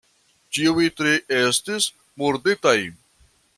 Ĉiuj tri estis murditaj.